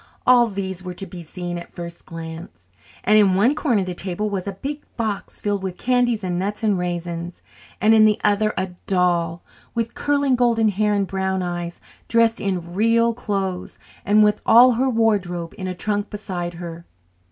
All these were to be seen at the first glance; and in one corner of the table was a big box filled with candies and nuts and raisins, and in the other a doll with curling golden hair and brown eyes, dressed in "real" clothes and with all her wardrobe in a trunk beside her.